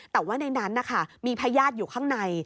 แต่ว่าในนั้นมีพลาญาตอยู่ข้างใน